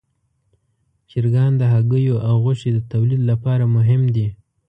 چرګان د هګیو او غوښې د تولید لپاره مهم دي.